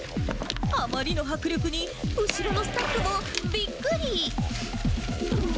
あまりの迫力に、後ろのスタッフもびっくり。